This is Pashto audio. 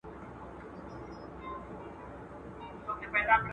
مـاتــه يــاديـــده اشــنـا